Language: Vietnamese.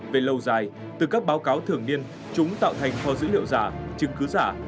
về lâu dài từ các báo cáo thường niên chúng tạo thành kho dữ liệu giả chứng cứ giả